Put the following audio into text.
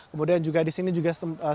kemudian juga di sini juga